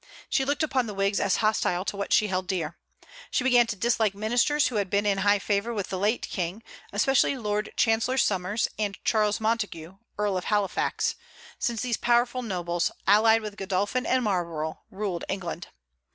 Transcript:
She looked upon the Whigs as hostile to what she held dear. She began to dislike ministers who had been in high favor with the late King, especially Lord Chancellor Somers and Charles Montague, Earl of Halifax, since these powerful nobles, allied with Godolphin and Marlborough, ruled England.